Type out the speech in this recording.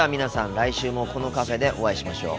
来週もこのカフェでお会いしましょう。